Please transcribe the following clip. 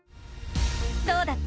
どうだった？